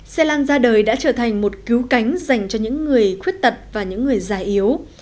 xe lan ra đời đã trở thành một cứu cánh dành cho những người khuyết tật và những người già yếu